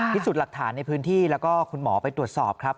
พิสูจน์หลักฐานในพื้นที่แล้วก็คุณหมอไปตรวจสอบครับ